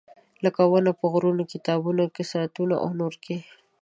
لکه ونه په غرونه، کتابونه، کساتونه او نور کې.